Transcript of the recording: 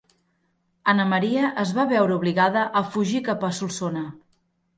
Anna Maria es va veure obligada a fugir cap a Solsona.